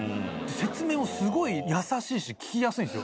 説明もすごい優しいし、聞きやすいですよ。